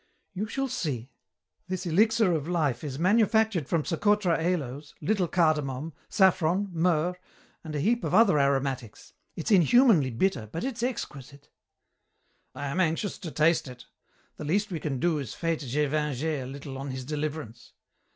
"You shall see. This elixir of life is manufactured from Socotra aloes, little cardamom, saffron, myrrh, and a heap of other aromatics. It's inhumanly bitter, but it's exquisite." "I am anxious to taste it. The least we can do is fête Gévingey a little on his deliverance."